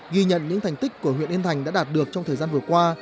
ghi nhận những thành tích của huyện yên thành đã đạt được trong thời gian vừa qua